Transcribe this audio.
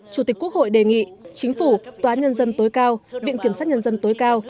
chủ tịch quốc hội đề nghị chính phủ tòa án nhân dân tối cao viện kiểm sát nhân dân tối cao